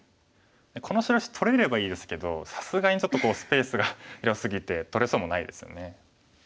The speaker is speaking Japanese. この白石取れればいいですけどさすがにちょっとスペースが広すぎて取れそうもないですよね。